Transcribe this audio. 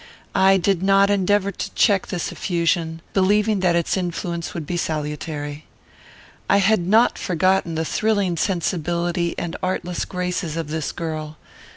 I did not endeavour to check this effusion, believing that its influence would be salutary. I had not forgotten the thrilling sensibility and artless graces of this girl.